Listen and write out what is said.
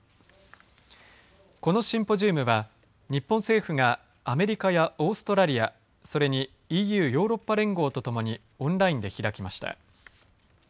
このシンポジウムは日本政府がアメリカやオーストラリアそれにＥＵヨーロッパ連合とともにオンラインで開きました。